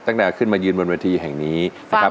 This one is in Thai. ตั้งแต่ขึ้นมายืนบนเวทีแห่งนี้นะครับ